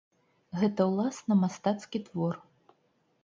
Гэта ўласна мастацкі твор.